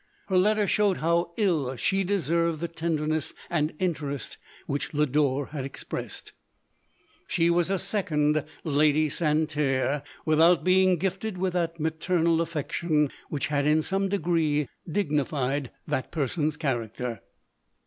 Her letter showed how ill she deserved the tenderness and interest which Lodore had expressed. She was a second Lady Santerre, without being gifted with that maternal affection, which had in some de gree dignified that person's character.